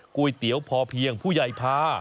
ก๋วยเตี๋ยวพอเพียงผู้ใหญ่พา